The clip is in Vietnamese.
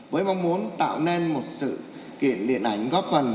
với mong muốn tạo nên một sự kiện điện ảnh góp phần